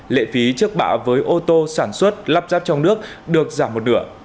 lệ phí trước bạ với ô tô sản xuất lắp ráp trong nước được giảm một nửa